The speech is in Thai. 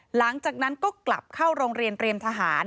หลังจากนั้นก็กลับเข้าโรงเรียนเตรียมทหาร